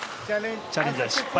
チャレンジは失敗